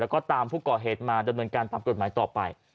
แล้วก็ตามผู้ก่อเหตุมาดำเนินการตามกฎหมายต่อไป